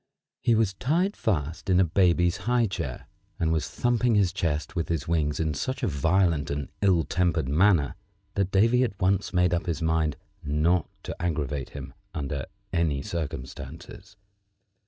He was tied fast in a baby's high chair, and was thumping his chest with his wings in such a violent and ill tempered manner that Davy at once made up his mind not to aggravate him under any circumstances.